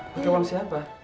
pakai uang siapa